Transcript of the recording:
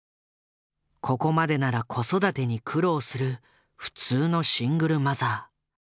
ここまでなら子育てに苦労する普通のシングルマザー。